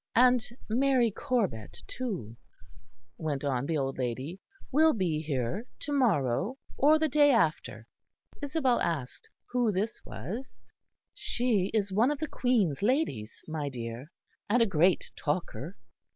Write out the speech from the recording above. "And Mary Corbet, too," went on the old lady, "will be here to morrow or the day after." Isabel asked who this was. "She is one of the Queen's ladies, my dear; and a great talker."